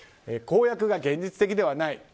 公約が現実的ではない。